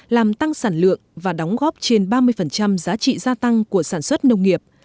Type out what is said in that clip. làm tăng sản lượng và đóng góp trên ba mươi giá trị gia tăng của sản xuất nông nghiệp